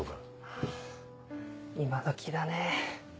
あぁ今どきだね。